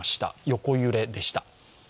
横揺れでした。